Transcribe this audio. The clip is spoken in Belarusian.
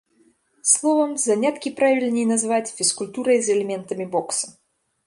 Словам, заняткі правільней назваць фізкультурай з элементамі бокса.